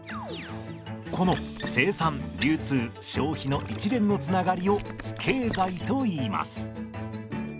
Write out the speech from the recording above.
この生産流通消費の一連のつながりを経済といいます。